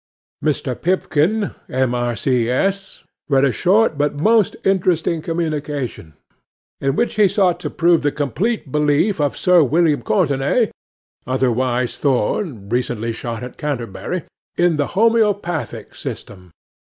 'MR. PIPKIN (M.R.C.S.) read a short but most interesting communication in which he sought to prove the complete belief of Sir William Courtenay, otherwise Thorn, recently shot at Canterbury, in the Homoeopathic system.